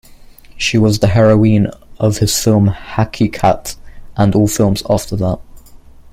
She was the heroine of his film "Haqeeqat" and all films after that.